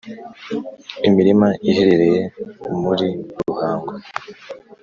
imirima iherereye muri Ruhango